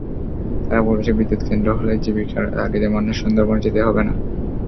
তারা বলেছে, বিদ্যুৎকেন্দ্র হলে জীবিকার তাগিদে মানুষকে সুন্দরবনে যেতে হবে না।